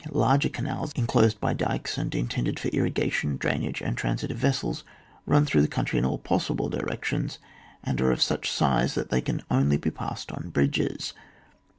Larger canals, inclosed by dykes and intended for irrigation, drainage, and transit of vessels, run through the coun try in all possible directions and are of such a size that they can only be passed on bridges.